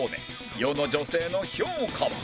世の女性の評価は？